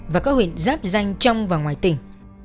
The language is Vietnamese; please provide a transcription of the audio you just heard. và các huyện giáp danh trong và ngoài tỉnh